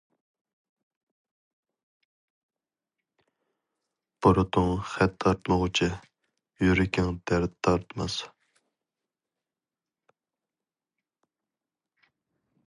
بۇرۇتۇڭ خەت تارتمىغۇچە، يۈرىكىڭ دەرد تارتماس.